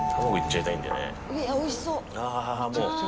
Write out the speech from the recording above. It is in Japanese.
おいしそう！